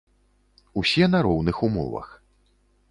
Усе на роўных умовах.